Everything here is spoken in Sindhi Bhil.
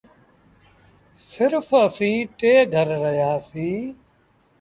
سرڦ اَسيٚݩ ٽي گھر رهيآ سيٚݩ۔